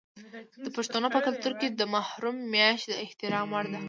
د پښتنو په کلتور کې د محرم میاشت د احترام وړ ده.